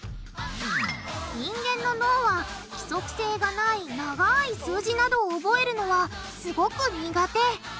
人間の脳は規則性がない長い数字などを覚えるのはすごく苦手。